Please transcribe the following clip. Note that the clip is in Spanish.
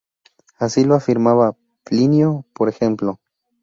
Así lo afirmaba Plinio, por ejemplo.